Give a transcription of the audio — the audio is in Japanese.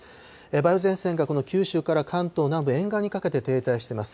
梅雨前線がこの九州から関東南部、沿岸にかけて停滞しています。